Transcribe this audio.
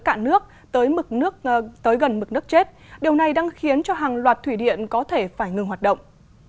cạn nước tới gần mực nước chết điều này đang khiến cho hàng loạt thủy điện có thể phải ngừng hoạt động